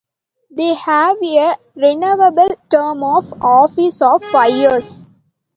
They have a renewable term of office of five years.